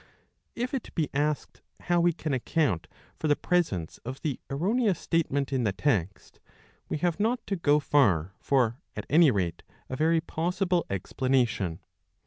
If it Tbe asked how we can account for the presence of the erroneous state Vment in the text, we have not to go far for, at any rate, a very possible explanation.